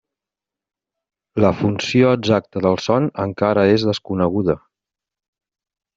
La funció exacta del son encara és desconeguda.